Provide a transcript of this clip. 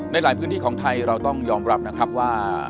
ในหลายพื้นที่ของไทยเราต้องยอมรับนะครับว่า